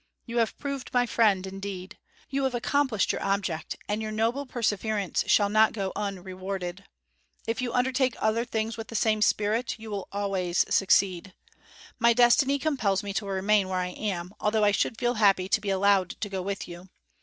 You have proved my friend indeed. You have accomplished your object, and your noble perseverance shall not go unrewarded. If you undertake other things with the same spirit, you will always succeed. My destiny compels me to remain where I am, although I should feel happy to be allowed to go with you.